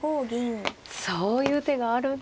そういう手があるんですか。